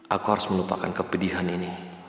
aku harus melupakan kepedihan ini